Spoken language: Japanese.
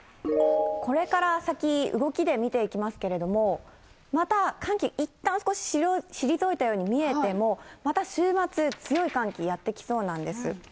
これから先、動きで見ていきますけれども、また寒気、いったん少し退いたように見えても、また週末、強い寒気やって来そうなんです。